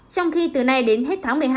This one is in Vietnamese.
trong khi từ nay đến hết tháng một mươi hai